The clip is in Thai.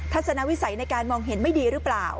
ทศนวิสัยในการมองเห็นไม่ดีหรือเปล่า